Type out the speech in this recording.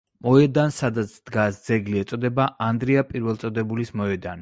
მოედანს სადაც დგას ძეგლი ეწოდება ანდრია პირველწოდებულის მოედანი.